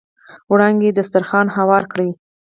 وړانګې دسترخوان هوار کړ.